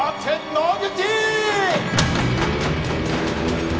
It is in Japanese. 野口！